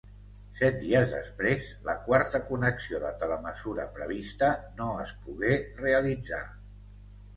Set dies després, la quarta connexió de telemesura prevista no es pogué realitzar.